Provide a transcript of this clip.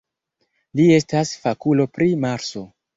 Li estas fakulo pri Marso.